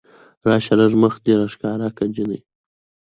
راشه لږ مخ دې راښکاره که جينۍ